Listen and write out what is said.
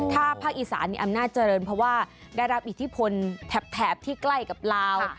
ถ้าภาคอีสานมีอำนาจเจริญเพราะว่าได้รับอิทธิพลแถบที่ใกล้กับลาว